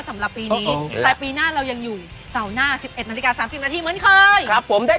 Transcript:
ถ้ารักทีวียังไงพี่ชิกก็อยู่ก็อ่านข่าวอยู่กี่วีลทุกวันไหม